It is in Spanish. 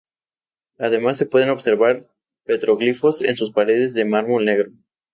Además se pueden observar petroglifos en sus paredes de mármol negro.